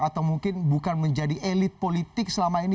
atau mungkin bukan menjadi elit politik selama ini